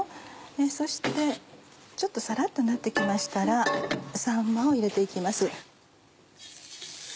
そしてちょっとさらっとなって来ましたらさんまを入れて行きます。